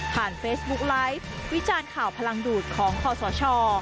เฟซบุ๊กไลฟ์วิจารณ์ข่าวพลังดูดของคอสช